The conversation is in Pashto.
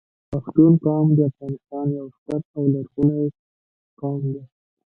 پښتون قوم د افغانستان یو ستر او لرغونی قوم دی